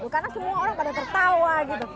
karena semua orang pada tertawa gitu